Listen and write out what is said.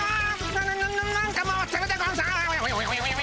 なななんか回ってるでゴンス。